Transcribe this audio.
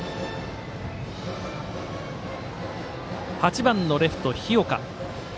８番のレフト、日岡。